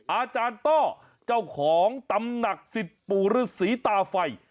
อาจารย์ต้อเจ้าของตำหนักสิทธิ์ปู่ฤษีตาไฟ